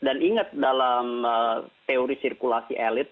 dan ingat dalam teori sirkulasi elit